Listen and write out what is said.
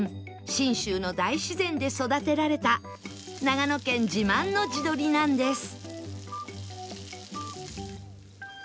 信州の大自然で育てられた長野県自慢の地鶏なんです